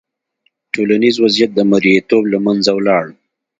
ټولنیز وضعیت د مریتوب له منځه لاړ.